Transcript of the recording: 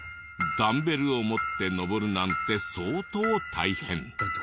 ダンベルを持って上るなんて相当大変。